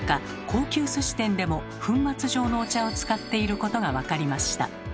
高級寿司店でも粉末状のお茶を使っていることが分かりました。